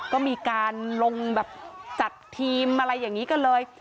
ก็มีการลงแบบจัดทีมอะไรอย่างนี้ก็เลย